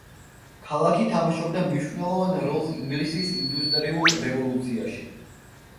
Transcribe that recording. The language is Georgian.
ქალაქი თამაშობდა მნიშვნელოვან როლს ინგლისის ინდუსტრიულ რევოლუციაში.